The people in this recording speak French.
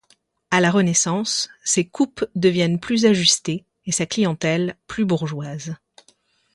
À la Renaissance, ses coupes deviennent plus ajustées et sa clientèle plus bourgeoise.